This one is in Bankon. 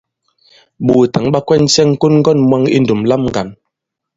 Ɓòòtǎŋ ɓa kwɛnysɛ ŋ̀kon-ŋgɔ̂n mwaŋ i ndùm lam ŋgǎn.